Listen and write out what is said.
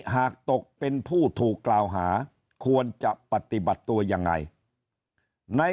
หากตกเป็นผู้ถูกกล่าวหาควรจะปฏิบัติตัวยังไง